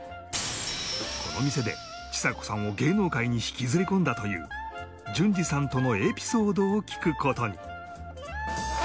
この店でちさ子さんを芸能界に引きずり込んだという純次さんとのエピソードを聞く事に